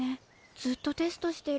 ずっとテストしてる。